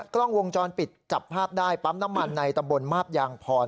กล้องวงจรปิดจับภาพได้ปั๊มน้ำมันในตำบลมาบยางพร